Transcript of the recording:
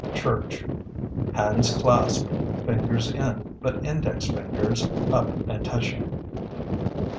Church (Hands clasped, fingers in, but index fingers up and touching).